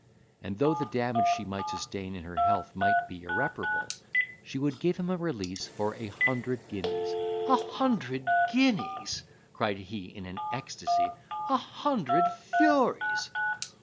And though the damage she might sustain in her health might be irreparable, she would give him a release for a hundred guineas." "A hundred guineas!" cried he in an ecstacy, "a hundred furies!